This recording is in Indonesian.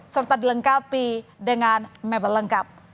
serta dilengkapi dengan mebel lengkap